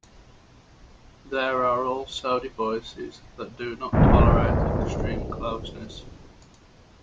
There are also devices that do not tolerate extreme closeness.